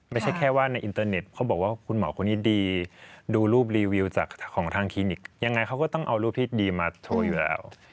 ไม่ใช่แค่ว่าในอินเตอร์เน็ตเขาบอกว่าคุณหมอคนนี้ดีดูรูปรีวิวจากของทางคลินิกยังไงเขาก็ต้องเอารูปที่ดีมาโชว์อยู่แล้ว